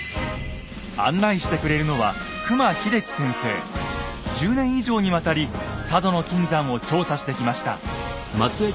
案内してくれるのは１０年以上にわたり佐渡の金山を調査してきました。